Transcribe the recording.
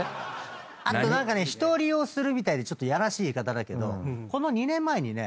あと人を利用するみたいでちょっとやらしい言い方だけどこの２年前にね